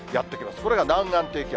これが南岸低気圧。